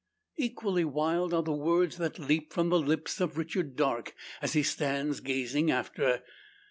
Equally wild are the words that leap from the lips of Richard Darke, as he stands gazing after.